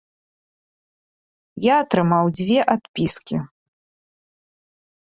Я атрымаў дзве адпіскі.